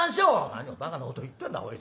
「何をばかなこと言ってんだこいつは。